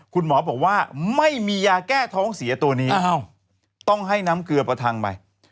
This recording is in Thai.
คุณหมอบอกว่าไม่มียาแก้ท้องเสียตัวนี้ต้องให้น้ำเกลือประทังไป